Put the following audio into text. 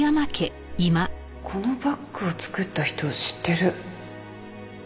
このバッグを作った人を知ってる。